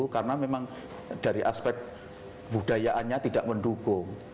karena memang dari aspek budayaannya tidak mendukung